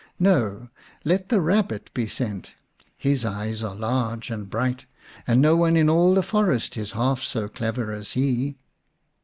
No ! let the Kabbit be sent ; his eyes are large and bright, and no one in all the forest is half so clever as he."